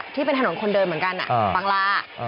ที่เป็นถนนคนเดินเหมือนกันบังลา